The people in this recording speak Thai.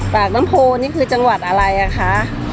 ปากน้ำโพนี่คือจังหวัดอะไรอ่ะคะ